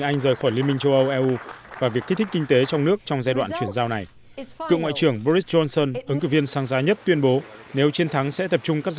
nhiều doanh nghiệp hàn quốc